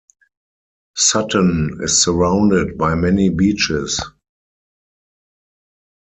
Sutton is surrounded by many beaches.